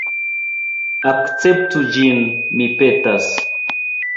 Akceptu ĝin, mi petas!